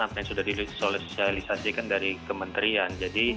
apa yang sudah disolosialisasikan dari kementerian jadi